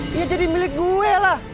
dia jadi milik gue lah